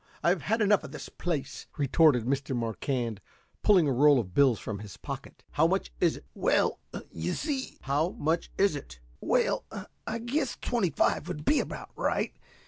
I've had enough of the place," retorted Mr. Marquand, pulling a roll of bills from his pocket. "How much is it?" "Well, you see " "How much is it?" "Well, I guess twenty five would be about right.